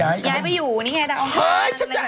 ย้ายไปอยู่นี่แง่ยดางคาร